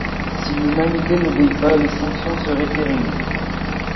Si l'humanité n'obéit pas, les sanctions seraient terribles.